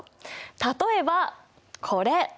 例えばこれ！